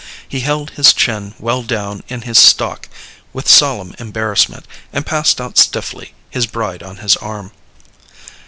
He held his chin well down in his stock with solemn embarrassment, and passed out stiffly, his bride on his arm.